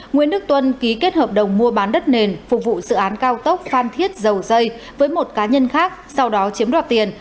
nguyễn đức tuân ký kết hợp đồng mua bán đất nền phục vụ dự án cao tốc phan thiết dầu dây với một cá nhân khác sau đó chiếm đoạt tiền